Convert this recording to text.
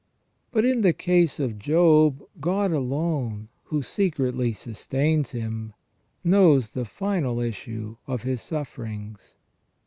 But in the case of Job, God alone, who secretly sustains him, knows the final issue of his sufferings.